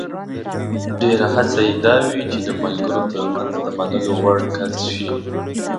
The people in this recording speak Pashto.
ډېره هڅه یې دا وي چې د ملګرو ترمنځ د منلو وړ کس شي.